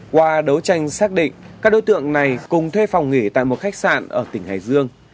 qua đấu tranh xác định các đối tượng này cùng thuê phòng nghỉ tại một khách sạn ở tỉnh hải dương